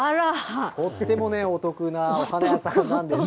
とってもね、お得なお花屋さんなんです。